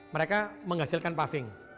mereka menghasilkan paving